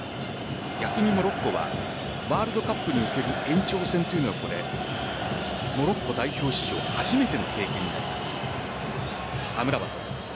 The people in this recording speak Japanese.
逆にモロッコはワールドカップにおける延長戦というのはモロッコ代表史上初めての経験になります。